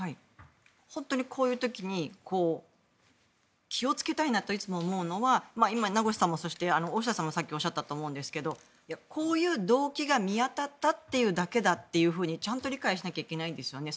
本当にこういう時に気を付けたいなといつも思うのは今、名越さんも大下さんもさっきおっしゃったと思うんですけどこういう動機が見当たったというだけだとちゃんと理解しなきゃいけないんですよね。